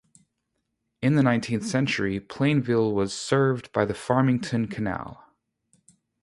In the nineteenth century, Plainville was served by the Farmington Canal.